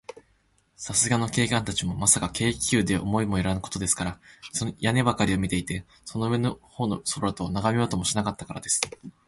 さすがの警官たちも、まさか、軽気球とは思いもよらぬものですから、屋根ばかりを見ていて、その上のほうの空などは、ながめようともしなかったからです。